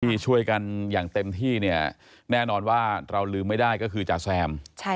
ที่ช่วยกันอย่างเต็มที่เนี่ยแน่นอนว่าเราลืมไม่ได้ก็คือจาแซม